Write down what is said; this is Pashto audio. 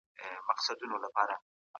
په وروستیو کلونو کي داسي کمپاینونه رامنځته